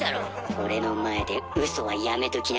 俺の前でうそはやめときな。